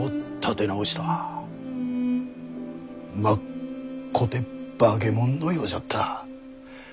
まっこて化け物のようじゃった。